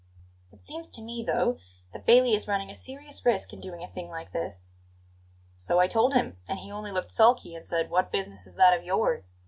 "It seems to me, though, that Bailey is running a serious risk in doing a thing like this." "So I told him, and he only looked sulky and said: 'What business is that of yours?'